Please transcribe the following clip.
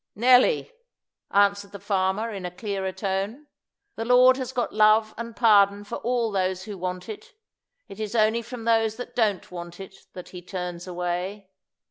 "Nelly!" answered the farmer in a clearer tone, "the Lord has got love and pardon for all those who want it. It's only from those that don't want it that He turns away.